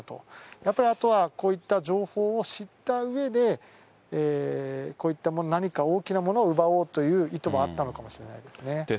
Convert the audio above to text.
やっぱりあとはこういった情報を知ったうえで、こういった何か大きなものを奪おうという意図もあったのかもしれないですね。